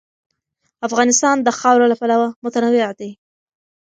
افغانستان د خاوره له پلوه متنوع دی.